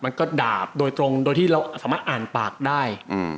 มันก็ดาบโดยตรงโดยที่เราสามารถอ่านปากได้